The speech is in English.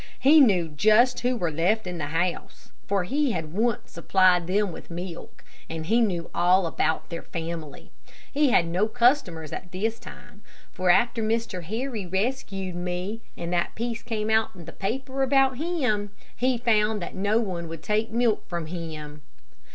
He knew just who were left in the house, for he had once supplied them with milk, and knew all about their family. He had no customers at this time, for after Mr. Harry rescued me, and that piece came out in the paper about him, he found that no one would take milk from him.